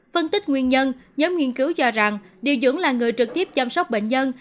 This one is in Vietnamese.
phân tích nguyên nhân nhóm nghiên cứu cho rằng điều dưỡng là người trực tiếp chăm sóc bệnh nhân